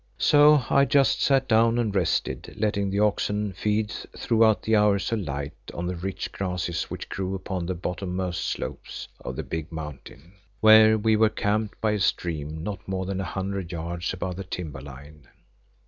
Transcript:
So I just sat down and rested, letting the oxen feed throughout the hours of light on the rich grasses which grew upon the bottom most slopes of the big mountain where we were camped by a stream, not more than a hundred yards above the timber line.